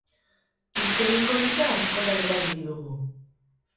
Historiko hitza askotan erabili dugu.